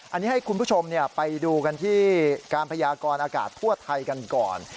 อันนี้ให้คุณผู้ชมไปดูกันที่การพยากรอากาศทั่วไทยกันก่อน